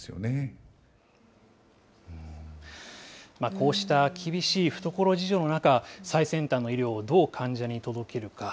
こうした厳しい懐事情の中、最先端の医療をどう患者に届けるか。